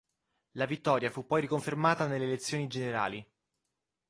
La vittoria fu poi riconfermata nelle elezioni generali.